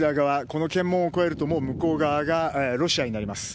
この検問を越えると向こう側がロシアになります。